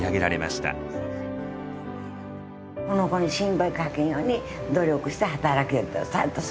この子に心配かけんように努力して働けたら。